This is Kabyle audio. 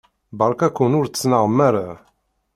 Beṛka-ken ur ttnaɣem ara.